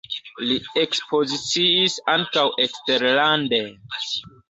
Li ekspoziciis ankaŭ eksterlande.